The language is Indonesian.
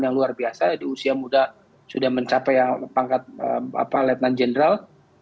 yang luar biasa di usia muda sudah mencapai yang pangkat lieutenant general